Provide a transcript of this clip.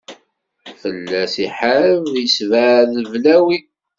Fell-as iḥareb, yessebɛed leblawi.